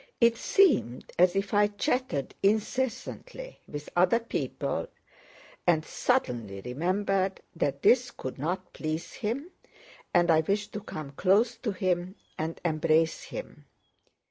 It seemed as if I chattered incessantly with other people and suddenly remembered that this could not please him, and I wished to come close to him and embrace him.